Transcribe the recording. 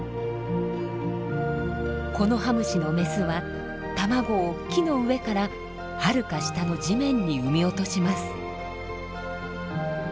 コノハムシのメスは卵を木の上からはるか下の地面に産み落とします。